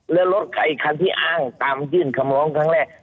แล้วรถไอ้คันที่อ้างตามยื่นคำร้องครั้งแรก